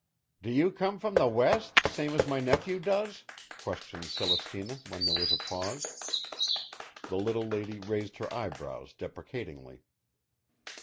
"Do you come from the West, same as my nephew does?" questioned Celestina when there was a pause. The little lady raised her eyebrows deprecatingly.